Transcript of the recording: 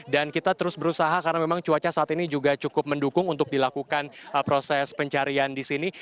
dan kita terus berusaha karena memang cuaca saat ini juga cukup mendukung untuk dilakukan proses pencarian di sini